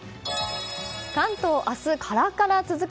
関東、明日はカラカラ続く。